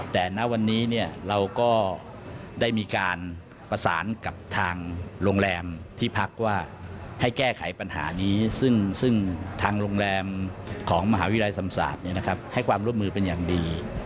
แต่ณวันนี้เราก็ได้มีการประสานกับทางโรงแรมที่พักว่าให้แก้ไขปัญหานี้ซึ่งทางโรงแรมของมหาวิทยาลัยธรรมศาสตร์ให้ความร่วมมือเป็นอย่างดี